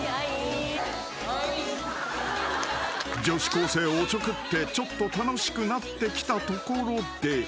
［女子高生をおちょくってちょっと楽しくなってきたところで］